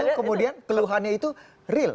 atau itu kemudian teluhannya itu real